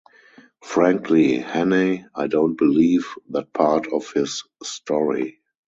Frankly, Hannay, I don’t believe that part of his story.